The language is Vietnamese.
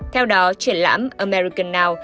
theo đó triển lãm american now